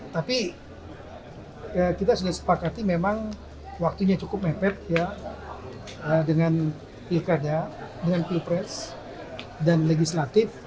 tapi kita sudah sepakati memang waktunya cukup mepet ya dengan pilkada dengan pilpres dan legislatif